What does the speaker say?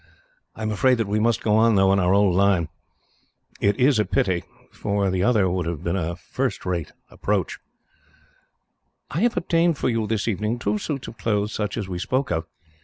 I am afraid that we must go on, on our old line. It is a pity, for the other would have been first rate." "I have obtained for you, this evening, two suits of clothes such as we spoke of.